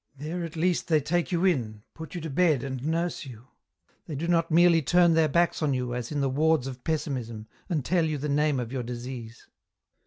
There, at least, they take you in, put you to bed and nurse you, they do not merely turn their backs on you as in the wards of Pessimism and tell you the name of your disease."